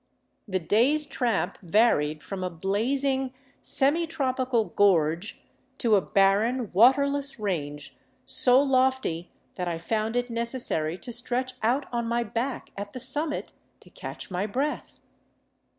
The day's tramp varied from a blazing, semi tropical gorge to a barren, waterless range so lofty that I found it necessary to stretch out on my back at the summit to catch my breath.